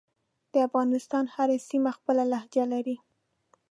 دافغانستان هره سیمه خپله لهجه لری